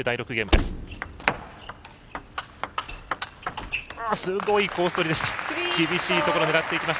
すごいコースどりでした。